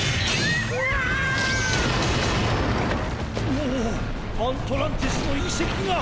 おおアントランティスのいせきが。